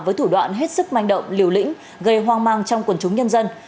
với hết sức manh động liều lĩnh gây hoang mang trong quần chúng nhân dân